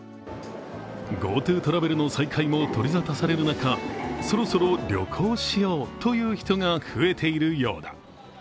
ＧｏＴｏトラベルの再開も取り沙汰される中そろそろ旅行しようという人が増えているようだ。